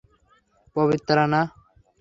পবিত্রা, না!